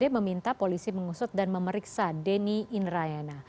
dia meminta polisi mengusut dan memeriksa denny inrayana